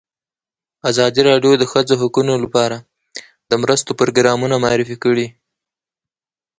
ازادي راډیو د د ښځو حقونه لپاره د مرستو پروګرامونه معرفي کړي.